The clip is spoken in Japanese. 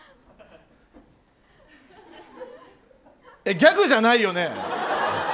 ギャグじゃないよね！？